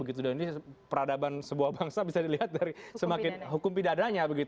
ini peradaban sebuah bangsa bisa dilihat dari hukum pidana